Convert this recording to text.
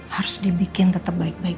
harus dibikin tetap baik baik